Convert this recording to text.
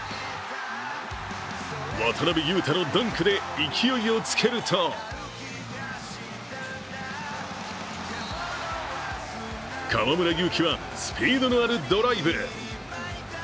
渡邊雄太のダンクで勢いをつけると河村勇輝はスピードのあるドライブ。